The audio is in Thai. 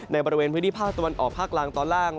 บริเวณพื้นที่ภาคตะวันออกภาคล่างตอนล่าง